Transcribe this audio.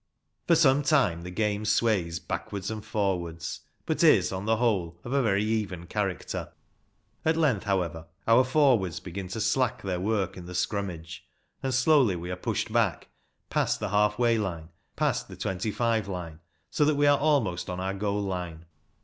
For some time the game sways backwards and forwards, but is, on the whole, of a very even character. At length, however, our forwards begin to slack their work in the scrummage, and slowly we are pushed back, past the half way line, past the twenty five line, so that we are almost on our goal line.